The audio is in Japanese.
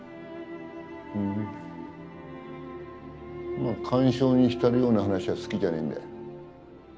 ふんまあ感傷に浸るような話は好きじゃねえんだよ。